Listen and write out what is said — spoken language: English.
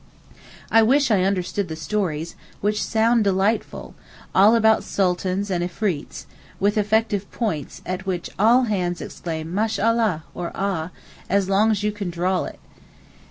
I wish I understood the stories, which sound delightful, all about Sultans and Efreets, with effective 'points,' at which all hands exclaim 'Mashallah!' or 'Ah!' (as long as you can drawl it).